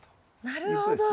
なるほど。